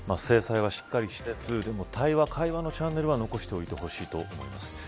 制裁はしっかりつつ対話、会話のチャンネルは残しておいてほしいと思います。